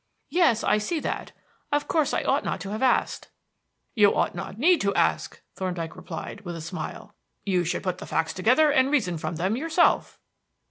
"Yes, I see that. Of course I ought not to have asked." "You ought not to need to ask," Thorndyke replied, with a smile; "you should put the facts together and reason from them yourself."